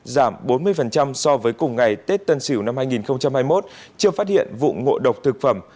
giảm bốn mươi so với cùng ngày tết tân sửu năm hai nghìn hai mươi một chưa phát hiện vụ ngộ độc thực phẩm